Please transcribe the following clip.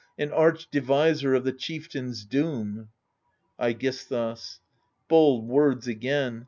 And arch deviser of the chieftain's doom ! iEGISTHUS Bold words again